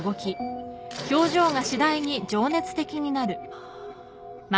ハァ。